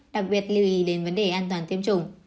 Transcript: đặc biệt lưu ý đến vấn đề an toàn tiêm chủng